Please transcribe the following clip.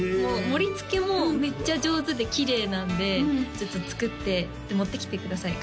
盛りつけもめっちゃ上手できれいなんでちょっと作って持ってきてください